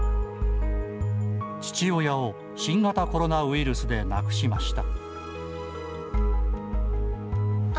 父親を新型コロナウイルスで亡くしました。